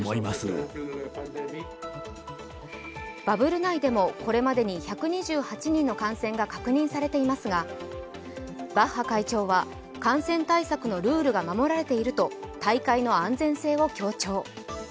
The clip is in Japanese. バブル内でもこれまでに１２８人の感染が確認されていますがバッハ会長は感染対策のルールが守られていると大会の安全性を強調。